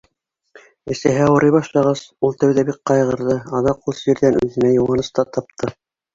Әсәһе ауырый башлағас, ул тәүҙә бик ҡайғырҙы, аҙаҡ ул сирҙән үҙенә йыуаныс та тапты.